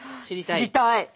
知りたい。